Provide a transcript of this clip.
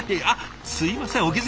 あっすいません